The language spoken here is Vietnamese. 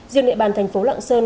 riêng địa bàn thành phố lạng sơn